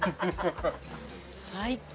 最高。